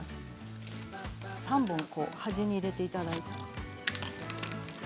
３本を端に入れていただいて。